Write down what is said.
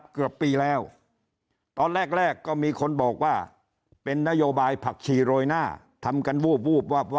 คุณต้มแข็งครับคุณบุ๊